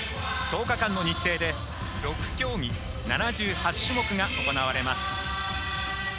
１０日間の日程で６競技７８種目が行われます。